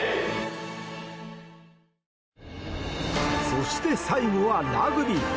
そして最後はラグビー。